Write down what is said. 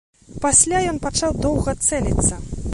Пасля ён пачаў доўга цэліцца.